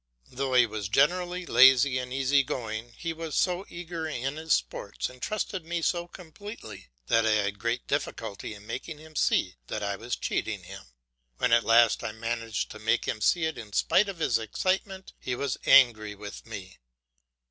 Though he was generally lazy and easy going, he was so eager in his sports and trusted me so completely that I had great difficulty in making him see that I was cheating him. When at last I managed to make him see it in spite of his excitement, he was angry with me.